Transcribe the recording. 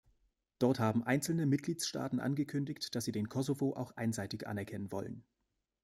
Dort haben einzelne Mitgliedstaaten angekündigt, dass sie den Kosovo auch einseitig anerkennen wollen.